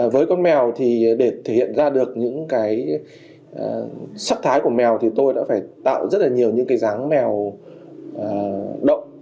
với con mèo thì để thể hiện ra được những cái sắc thái của mèo thì tôi đã phải tạo rất là nhiều những cái dáng mèo đậu